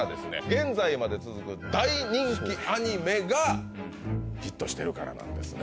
現在まで続く大人気アニメがヒットしてるからなんですね